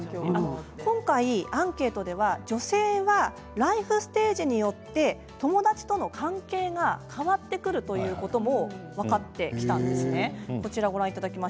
今回、アンケートでは女性はライフステージによって友達との関係が変わってくるということも分かってきたんです。